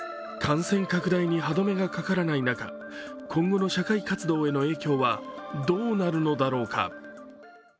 感染拡大に歯止めがかからない中今後の社会活動への影響はどうなるのだろうか。